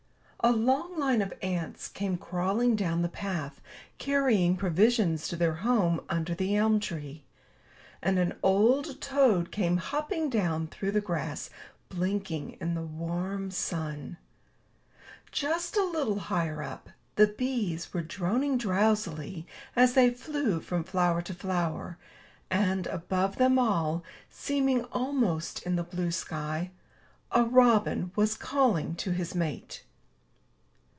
A long line of ants came crawling down the path, carrying provisions to their home under the elm tree; and an old toad came hopping down through the grass, blinking in the warm sun. Just a little higher up, the bees were droning drowsily as they flew from flower to flower; and, above them all, seeming almost in the blue sky, a robin was calling to his mate.